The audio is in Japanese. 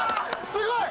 すごい！